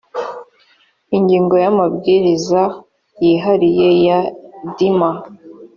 ingingo ya amabwiriza yihariye ya dma